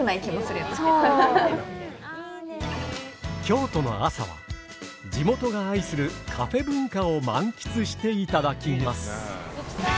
京都の朝は地元が愛するカフェ文化を満喫していただきます。